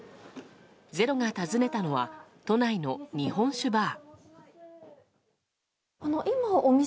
「ｚｅｒｏ」が訪ねたのは都内の日本酒バー。